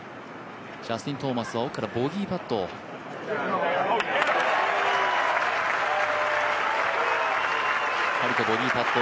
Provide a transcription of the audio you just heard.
ジャスティン・トーマスは奥からボギーパット。